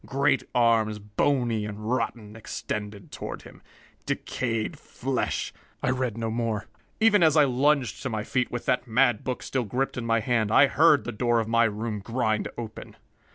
Great arms, bony and rotten, extended toward him. Decayed flesh " I read no more. Even as I lunged to my feet, with that mad book still gripped in my hand, I heard the door of my room grind open.